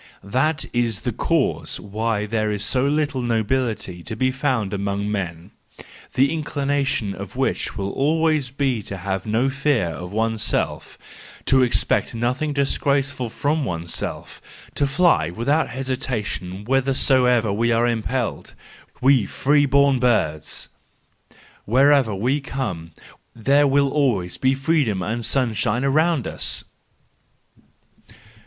That is the cause why there is so little nobility to be found among men: the indication of which will always be to have no fear of oneself, to expect nothing disgraceful from oneself, to fly without hesitation whithersoever we are impelled—we free born birds! Wherever we come, there will always be freedom and sunshine around us.